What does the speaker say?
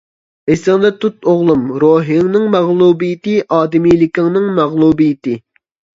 ئېسىڭدە تۇت ئوغلۇم، روھنىڭ مەغلۇبىيىتى-ئادىمىيلىكنىڭ مەغلۇبىيىتى.